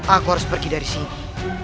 aku harus pergi dari sini